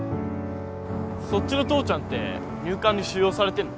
そっちの父ちゃんって入管に収容されてんの？